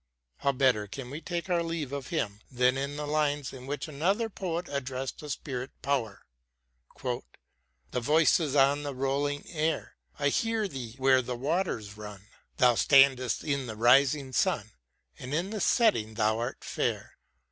How better can we take our leave of him than in the lines in which another poet addressed a spirit power ? Thy voice is on the rolling air ; I hear thee where the waters run ; 126 WORDSWORTH AS A TEACHER Thou standest in the rising sun, And in the setting thou art fair.